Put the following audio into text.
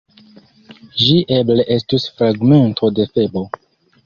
Ĝi eble estus fragmento de Febo.